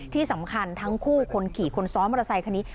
ที่สำคัญทั้งคู่คนขี่คนซ้อนมอเตอร์ไซคันนี้